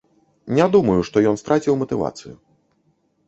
Не думаю, што ён страціў матывацыю.